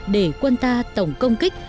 để quân ta tổng công kích